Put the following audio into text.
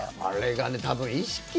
あれがね多分意識。